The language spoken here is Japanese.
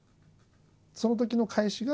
そのときの返しが？